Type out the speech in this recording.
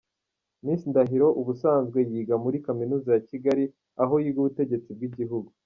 Miss Ndahiro ubusanzwe yiga muri kaminuza ya Kigali aho yiga 'Ubutegetsi bw'igihugu'.